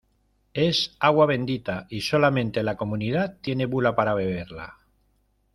es agua bendita, y solamente la Comunidad tiene bula para beberla.